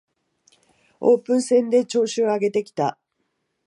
オープン戦で調子を上げてきた